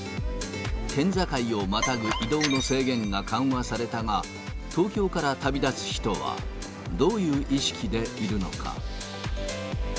県境をまたぐ移動の制限が緩和されたが、東京から旅立つ人は、どういう意識でいるのか。